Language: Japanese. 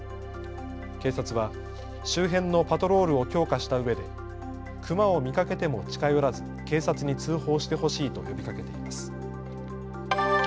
警察は周辺のパトロールを強化したうえでクマを見かけても近寄らず警察に通報してほしいと呼びかけています。